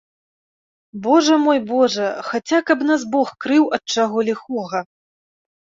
Божа мой, божа, хаця каб нас бог крыў ад чаго ліхога.